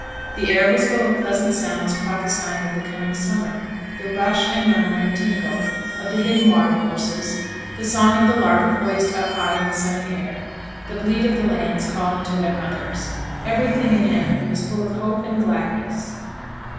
The air was full of pleasant sounds prophesying of the coming summer. The rush, and murmur, and tinkle of the hidden watercourses; the song of the lark poised high up in the sunny air; the bleat of the lambs calling to their mothers everything inanimate was full of hope and gladness.